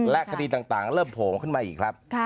และคดีต่างเริ่มโผล่ขึ้นมาอีกครับ